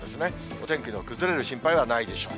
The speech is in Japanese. お天気の崩れる心配はないでしょう。